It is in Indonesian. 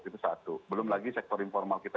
itu satu belum lagi sektor informal kita